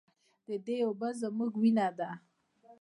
د دې اوبه زموږ وینه ده